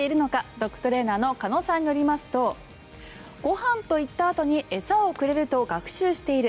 ドッグトレーナーの鹿野さんによりますとご飯と言ったあとに餌をくれると学習している。